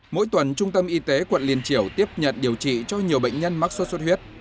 mỗi tuần trung tâm y tế quận liên triểu tiếp nhận điều trị cho nhiều bệnh nhân mắc sốt xuất huyết